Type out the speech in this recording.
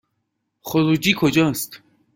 خروجی کجاست؟